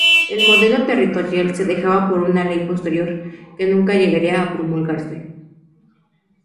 El modelo territorial se dejaba para una ley posterior, que nunca llegaría a promulgarse.